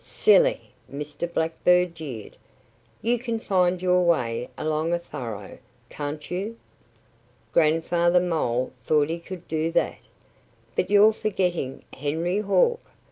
"Silly!" Mr. Blackbird jeered. "You can find your way along a furrow, can't you?" Grandfather Mole thought he could do that. "But you're forgetting Henry Hawk!"